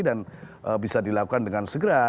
dan bisa dilakukan dengan segera